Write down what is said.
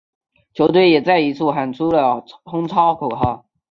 球队也再一次喊出了冲超口号。